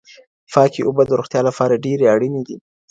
پاکي اوبه د روغتیا لپاره ډېرې اړینې دي.